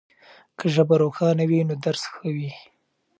که ژبه روښانه وي نو درس ښه وي.